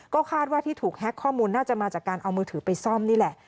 ก็คาดว่าที่ถูกแฮ็กข้อมูลน่าจะมาจากการเอามือถือไปซ่อมนี่แหละ